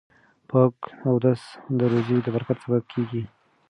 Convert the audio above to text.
پاک اودس د روزۍ د برکت سبب کیږي.